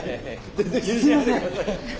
すいません。